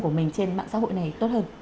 của mình trên mạng xã hội này tốt hơn